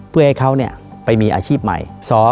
เพื่อให้เขาไปมีอาชีพใหม่